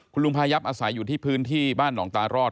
คุณลุงพายับอาศัยอยู่ที่พื้นที่บ้านหนองตารอด